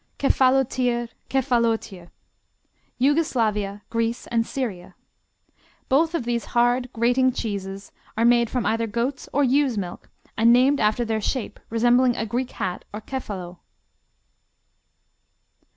Kefalotir, Kefalotyi Yugoslavia, Greece and Syria Both of these hard, grating cheeses are made from either goat's or ewe's milk and named after their shape, resembling a Greek hat, or Kefalo.